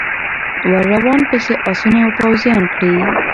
ور روان پسي آسونه او پوځیان کړی